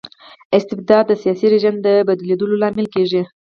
استبداد د سياسي رژيم د بدلیدو لامل کيږي.